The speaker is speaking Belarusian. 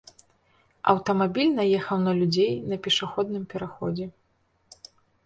Аўтамабіль наехаў на людзей на пешаходным пераходзе.